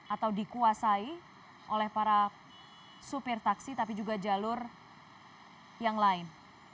atau dikuasai oleh para supir taksi tapi juga jalur yang lain